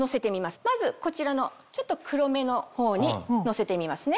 まずこちらのちょっと黒めの方に乗せてみますね。